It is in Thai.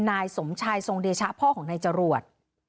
นายสมชายสงฎชะพ่อของนายจรวรษ